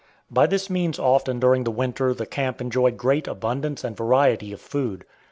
By this means often during the winter the camp enjoyed great abundance and variety of food.